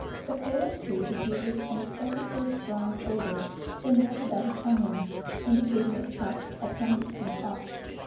The kolim tree diffuses an excessively strong odour, similar to that of onions, indicating its site at some distance off.